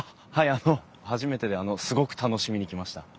あの初めてですごく楽しみに来ました。